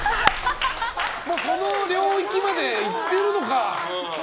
その領域まで行ってるのか。